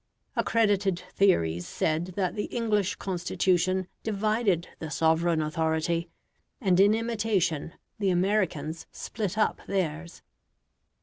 Accredited theories said that the English Constitution divided the sovereign authority, and in imitation the Americans split up theirs.